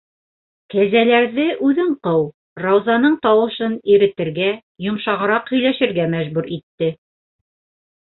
- «Кәзәләрҙе үҙең ҡыу» Раузаны тауышын иретергә, йомшағыраҡ һөйләшергә мәжбүр итте.